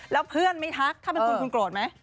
แล้วเพื่อนไม่ทักถ้าเป็นคุณคุณโกรธไหม